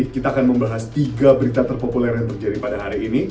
kita akan membahas tiga berita terpopuler yang terjadi pada hari ini